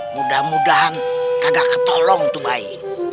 mudah mudahan kagak ketolong tuh bayi